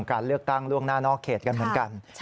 การเลือกตั้งล่วงหน้านอกเขตกันเหมือนกัน